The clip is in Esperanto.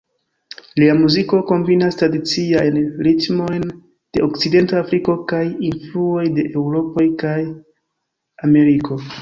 Lia muziko kombinas tradiciajn ritmojn de Okcidenta Afriko kaj influoj de Eŭropo kaj Ameriko.